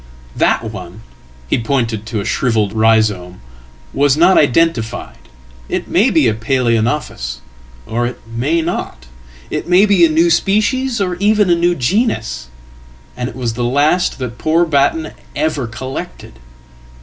"That one " he pointed to a shrivelled rhizome "was not identified. Itmay be a Palaeonophis or it may not. It may be a new species, or even anew genus. And it was the last that poor Batten ever collected.""